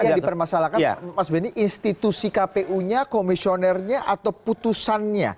jadi yang dipermasalahkan mas benny institusi kpu nya komisionernya atau putusannya